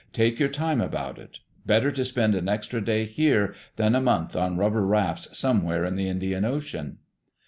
Take your time about it. Better to spend an extra day here than a month on rubber rafts somewhere in the Indian Ocean."